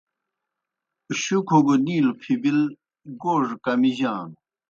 شُکھوْ گہ نِیلوْ پھبِل گوڙہ کمِجانوْ۔